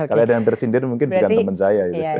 kalau ada yang tersindir mungkin bukan teman saya